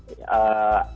apa namanya ini salah satu